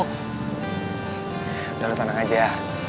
udah lo tenang aja ya